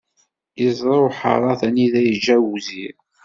Iẓra uḥeṛṛat anida yiǧǧa awzir.